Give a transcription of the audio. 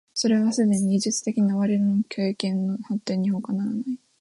それはすでに技術的な我々の経験の発展にほかならない。